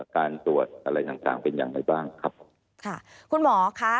การตรวจอะไรต่างต่างเป็นอย่างไรบ้างครับผมค่ะคุณหมอค่ะ